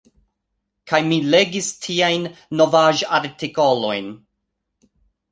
Kaj mi legis tiajn novaĵ-artikolojn.